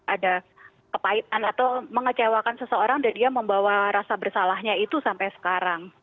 ada kepahitan atau mengecewakan seseorang dan dia membawa rasa bersalahnya itu sampai sekarang